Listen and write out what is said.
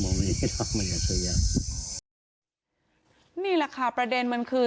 นี่แหละค่ะประเด็นมันคือ